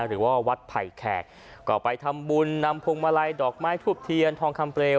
หรือว่าวัดไผ่แขกก็ไปทำบุญนำพวงมาลัยดอกไม้ทูบเทียนทองคำเปลว